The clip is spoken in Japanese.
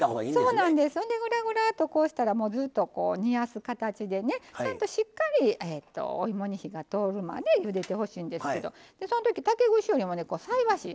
ぐらぐらーっとしたら煮やす形でねちゃんと、しっかりお芋に火が通るまでゆでてほしいんですけどそのとき竹串よりも菜箸を。